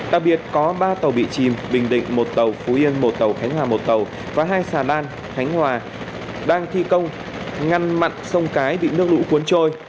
đặc biệt có ba tàu bị chìm bình định một tàu phú yên một tàu khánh hòa một tàu và hai xà lan khánh hòa đang thi công ngăn mặn sông cái bị nước lũ cuốn trôi